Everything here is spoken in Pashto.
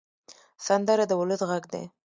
سندره د ولس غږ دی